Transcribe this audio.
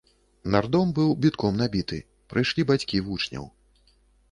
Нардом быў бітком набіты, прыйшлі бацькі вучняў.